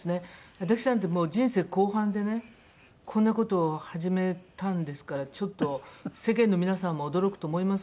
私なんてもう人生後半でねこんな事を始めたんですからちょっと世間の皆さんも驚くと思います。